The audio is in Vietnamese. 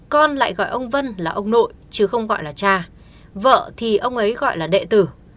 con lại gọi ông vân là ông nội chứ không gọi là cha vợ thì ông ấy gọi là đệ tử